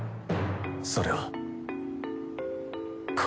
それは恋。